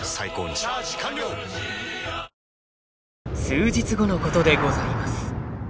［数日後のことでございます］